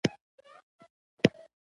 خو موږ نیولو نه څه چې مرګ نه هم نه ډارېږو